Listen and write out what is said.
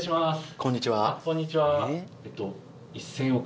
こんにちは。